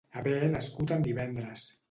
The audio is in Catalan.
Haver nascut en divendres.